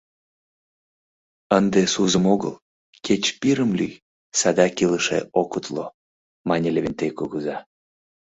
— Ынде сузым огыл, кеч пирым лӱй, садак илыше ок утло, — мане Левентей кугыза.